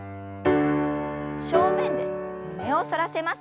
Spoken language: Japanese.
正面で胸を反らせます。